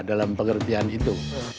dalam pengertian itu